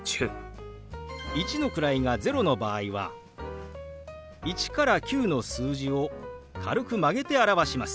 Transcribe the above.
１の位が０の場合は１から９の数字を軽く曲げて表します。